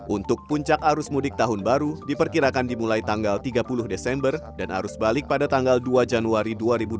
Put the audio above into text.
untuk puncak arus mudik tahun baru diperkirakan dimulai tanggal tiga puluh desember dan arus balik pada tanggal dua januari dua ribu dua puluh